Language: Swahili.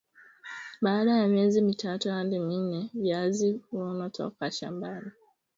Baada ya miezi mitatu hadi minne viazi hhunwa toka shambani